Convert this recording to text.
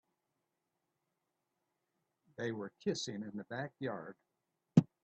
They were kissing in the backyard.